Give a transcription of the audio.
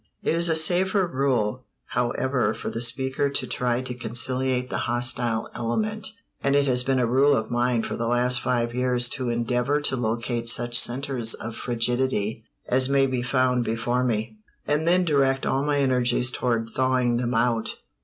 It is a safer rule, however, for the speaker to try to conciliate the hostile element, and it has been a rule of mine for the last five years to endeavor to locate such centers of frigidity as may be found before me, and then direct all my energies toward "thawing them out."